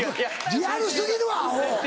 リアル過ぎるわアホ！